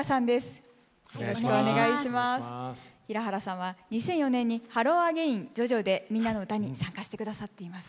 平原さんは２００４年に「ハローアゲイン，ＪｏＪｏ」で「みんなのうた」に参加して下さっていますね。